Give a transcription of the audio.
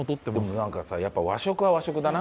でもなんかさやっぱ和食は和食だな。